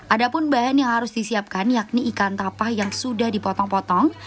ada pun bahan yang harus disiapkan yakni ikan tapa yang sudah dipotong potong